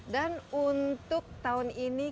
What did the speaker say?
dan untuk tahun ini